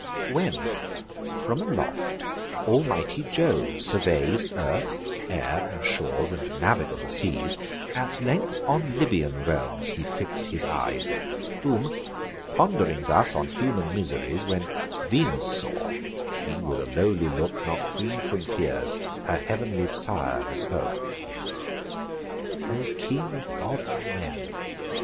When, from aloft, almighty Jove surveys Earth, air, and shores, and navigable seas, At length on Libyan realms he fix'd his eyes: Whom, pond'ring thus on human miseries, When Venus saw, she with a lowly look, Not free from tears, her heav'nly sire bespoke: "O King of Gods and Men!